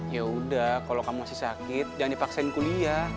yaudah kalo kamu masih sakit jangan dipaksain kuliah